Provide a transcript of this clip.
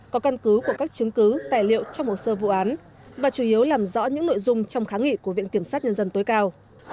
có căn cứ của các chứng cứ tài liệu trong hồ sơ vụ án và chủ yếu làm rõ những nội dung trong kháng nghị của viện kiểm sát nhân dân tối cao